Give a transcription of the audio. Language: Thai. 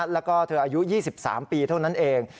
แล้วก็เธออายุ๒๓ปีเท่านั้นเอง